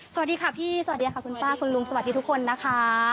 สวัสดีค่ะพี่สวัสดีค่ะคุณป้าคุณลุงสวัสดีทุกคนนะคะ